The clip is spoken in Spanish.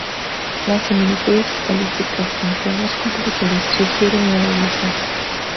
Las similitudes estilísticas entre ambos compositores, sugieren una relación.